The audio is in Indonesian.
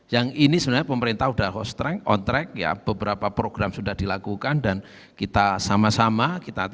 yang ini sebenarnya pemerintah sudah on track ya beberapa program sudah dilakukan dan kita sama sama